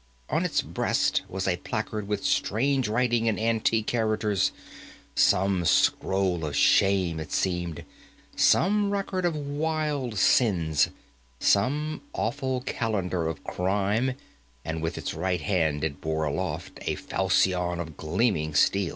On its breast was a placard with strange writing in antique characters, some scroll of shame it seemed, some record of wild sins, some awful calendar of crime, and, with its right hand, it bore aloft a falchion of gleaming steel.